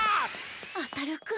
あたる君。